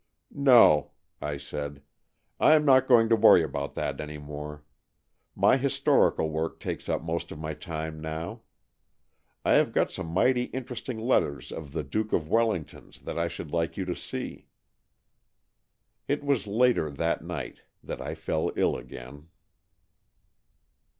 "" No," I said. I am not going to worry about that any more. My historical work takes up most of my time now. I have got some mighty interesting letters of the Duke of Wellington's that I should like you to see." It was later that night that I fell ill again.